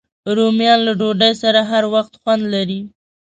رومیان له ډوډۍ سره هر وخت خوند لري